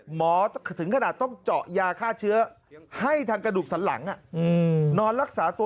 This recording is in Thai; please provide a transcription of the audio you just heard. ถึงขนาดต้องเจาะยาฆ่าเชื้อให้ทางกระดูกสันหลังนอนรักษาตัว